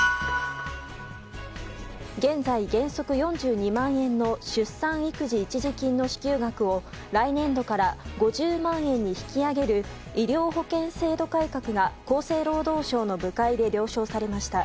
現在、原則４２万円の出産育児一時金の支給額を来年度から５０万円に引き上げる医療保険制度改革が厚生労働省の部会で了承されました。